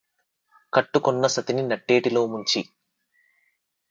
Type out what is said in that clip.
కట్టుకొన్న సతిని నట్టేటిలో ముంచి